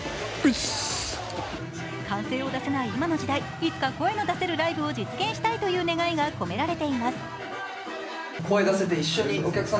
歓声を出せない今の時代、いつか声の出せるライブを実現したいという願いが込められています。